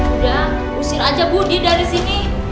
udah usir aja budi dari sini